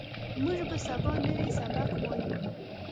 موږ به سبا نوی سبق وایو